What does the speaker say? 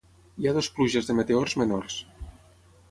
Hi ha dues pluges de meteors menors